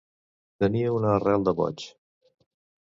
Tenir una arrel de boig.